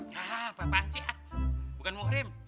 ya apa apa ancik bukan muhrim